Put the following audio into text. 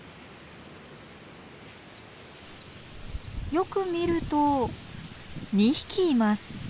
よく見ると２匹います。